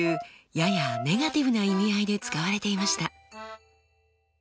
ややネガティブな意味合いで使われていました。